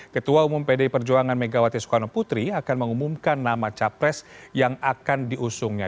ketua umum pdi perjuangan megawati soekarno putri akan mengumumkan nama capres yang akan diusungnya